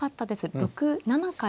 ６七から。